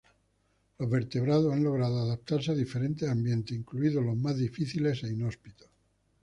Los vertebrados han logrado adaptarse a diferentes ambientes, incluidos los más difíciles e inhóspitos.